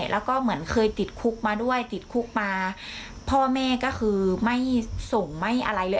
แล้วก็เหมือนเคยติดคุกมาด้วยติดคุกมาพ่อแม่ก็คือไม่ส่งไม่อะไรเลย